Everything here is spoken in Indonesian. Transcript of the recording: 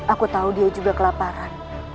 aku tahu dia juga kelaparan